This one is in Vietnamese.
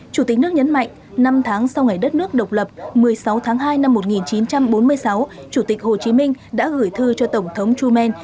chủ tịch nước nhấn mạnh năm tháng sau ngày đất nước độc lập một mươi sáu tháng hai năm một nghìn chín trăm bốn mươi sáu chủ tịch hồ chí minh đã gửi thư cho tổng thống truman